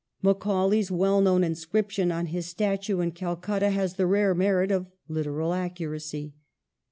Macaulay's well known inscription on his statue in Calcutta has the rare merit of literal accuracy.